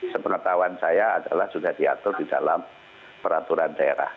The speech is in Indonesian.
sepengetahuan saya adalah sudah diatur di dalam peraturan daerah